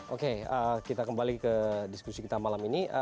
oke kita kembali ke diskusi kita malam ini